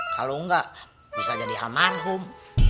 kalau enggak bisa jadi almarhum